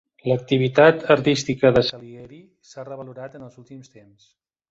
L'activitat artística de Salieri s'ha revalorat en els últims temps.